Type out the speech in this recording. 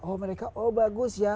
oh mereka oh bagus ya